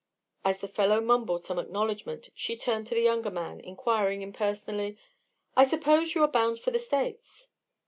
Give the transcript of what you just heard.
As the fellow mumbled some acknowledgment, she turned to the younger man, inquiring impersonally: "I suppose you are bound for the States?"